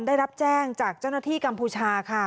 ได้รับแจ้งจากเจ้าหน้าที่กัมพูชาค่ะ